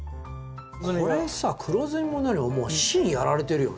これさ黒ずみも何ももう芯やられてるよね？